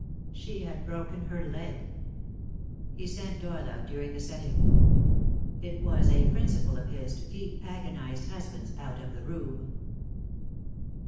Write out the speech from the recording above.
She had broken her leg. He sent Doyle out during the setting. It was a principle of his to keep agonized husbands out of the room.